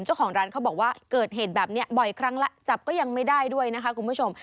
เจ้าของร้านเขาบอกว่าเกิดเหตุแบบนี้บ่อยครั้งแล้วจับก็ยังไม่ได้ด้วยนะคะคุณผู้ชม